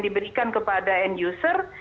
diberikan kepada end user